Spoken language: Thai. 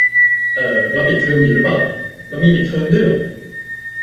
เอ่อ เราปิดเทอมอยู่รึเปล่าอ่ะ เรามีปิดเทอมด้วยเหรอ ?